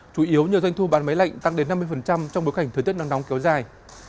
chủ yếu nhờ doanh thu bán máy lạnh tăng đến năm mươi trong bối cảnh thời tiết nắng nóng kéo dài